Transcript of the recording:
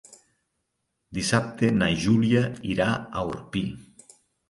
Dissabte na Júlia irà a Orpí.